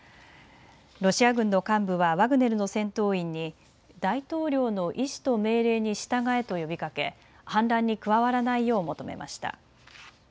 ロシア軍の幹部はワグネルの戦闘員に大統領の意志と命令に従えと呼びかけ反乱に加わらないよう求めました。